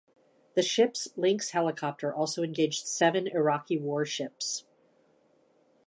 The ship's Lynx helicopter also engaged seven Iraqi warships.